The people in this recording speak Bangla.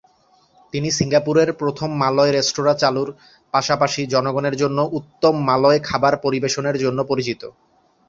তিনি সিঙ্গাপুরের প্রথম মালয় রেস্তোরাঁ চালুর, পাশাপাশি জনসাধারণের জন্য উত্তম মালয় খাবার পরিবেশনের জন্য পরিচিত।